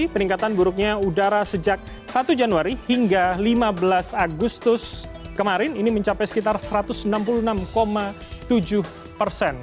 peningkatan buruknya udara sejak satu januari hingga lima belas agustus kemarin ini mencapai sekitar satu ratus enam puluh enam tujuh persen